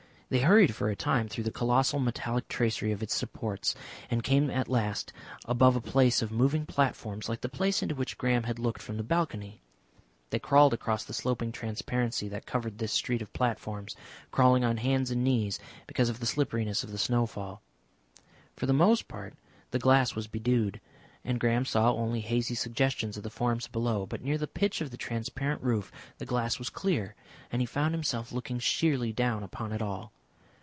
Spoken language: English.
They hurried for a time through the colossal metallic tracery of its supports, and came at last above a place of moving platforms like the place into which Graham had looked from the balcony. They crawled across the sloping transparency that covered this street of platforms, crawling on hands and knees because of the slipperiness of the snowfall. For the most part the glass was bedewed, and Graham saw only hazy suggestions of the forms below, but near the pitch of the transparent roof the glass was clear, and he found himself looking sheerly down upon it all.